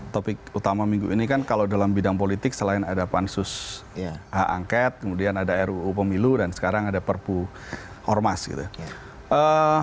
topik utama minggu ini kan kalau dalam bidang politik selain ada pansus hak angket kemudian ada ruu pemilu dan sekarang ada perpu ormas gitu ya